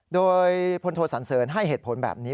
โดยพลโทสันเสริญให้เหตุผลแบบนี้